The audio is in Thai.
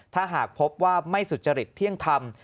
ถ้าหากพบว่าไม่สุจริตเที่ยงธรรม